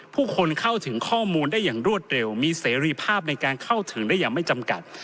ผู้คนเข้าถึงข้อมูลได้อย่างรวดเร็วมีเสรีภาพในการเข้าถึงได้อย่างไม่จำกัด